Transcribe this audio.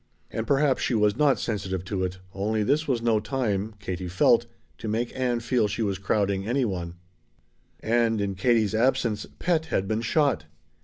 And perhaps she was not sensitive about it, only this was no time, Katie felt, to make Ann feel she was crowding any one. And in Katie's absence "Pet" had been shot.